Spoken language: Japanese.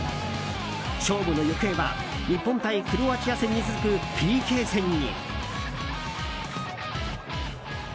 勝負の行方は日本対クロアチア戦に続くＰＫ戦に。